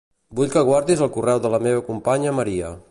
Vull que guardis el correu de la meva companya Maria.